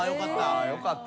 よかった。